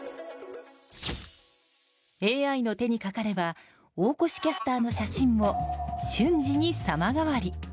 ＡＩの手にかかれば大越キャスターの写真も瞬時に様変わり。